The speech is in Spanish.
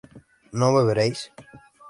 ¿no beberéis?